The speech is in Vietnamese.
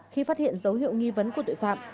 khi phát hiện dấu hiệu nghi vấn của tội phạm